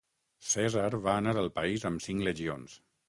Cèsar va anar al país amb cinc legions.